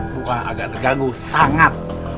bukan agak terganggu sangat